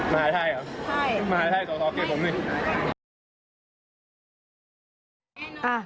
มหาชัยเหรอมหาชัยสอเกร็ดผมสิใช่